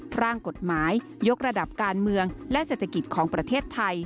ร่างกฎหมายยกระดับการเมืองและเศรษฐกิจของประเทศไทย